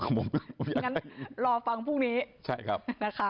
งั้นรอฟังพรุ่งนี้ใช่ครับนะคะ